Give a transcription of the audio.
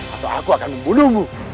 atau aku akan membunuhmu